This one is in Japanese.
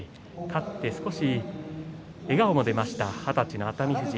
勝って少し笑顔も出ました二十歳の熱海富士。